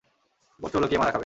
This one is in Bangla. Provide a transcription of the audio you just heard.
প্রশ্ন হলো, কে মারা খাবে?